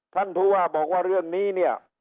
ท่านผู้ว่าบอกว่าเรื่องนี้เนี่ย